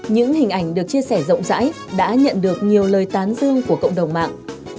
những hình ảnh được chia sẻ rộng rãi đã nhận được nhiều lời tán dương của cộng đồng mạng